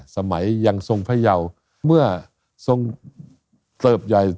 สมัยยังทรงพยาวเมื่อทรงเติบใหญ่